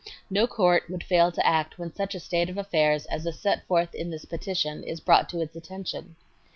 No court would fail to act when such a state of affairs as is set forth in this petition is brought to its attention.